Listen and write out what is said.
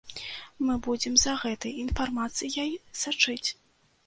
Мы будзем за гэтай інфармацыяй сачыць.